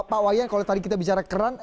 pak wayan kalau tadi kita bicara keran